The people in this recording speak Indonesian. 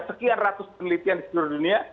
sekian ratus penelitian di seluruh dunia